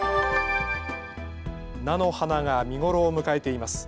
菜の花が見頃を迎えています。